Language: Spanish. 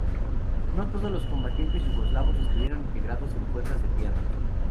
No todos los combatientes yugoslavos estuvieron integrados en fuerzas de tierra.